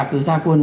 cứ ra quân